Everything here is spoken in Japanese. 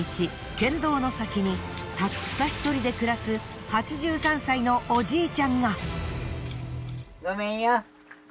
険道の先にたった一人で暮らす８３歳のおじいちゃんが。